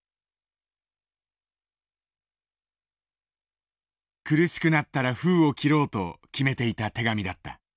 苦しくなったら封を切ろうと決めていた手紙だった。